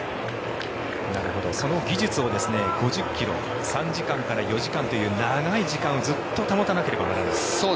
その技術を５０ｋｍ３時間から４時間という長い時間ずっと保たなければならない。